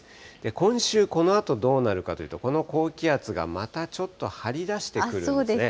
今週、このあとどうなるかというと、この高気圧がまたちょっと張り出してくるんですね。